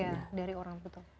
iya dari orang betul